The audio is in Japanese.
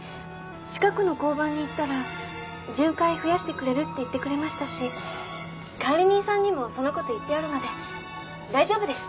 近くの交番に行ったら巡回増やしてくれるって言ってくれましたし管理人さんにもそのこと言ってあるので大丈夫です。